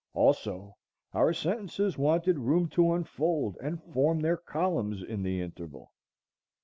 Also, our sentences wanted room to unfold and form their columns in the interval.